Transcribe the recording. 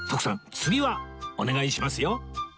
次はお願いしますよ